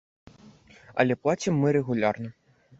Але плацім мы рэгулярна.